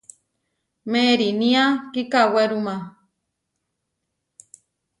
Meʼerinia kikawéruma.